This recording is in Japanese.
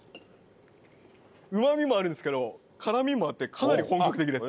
うまみもあるんですけど辛みもあってかなり本格的です。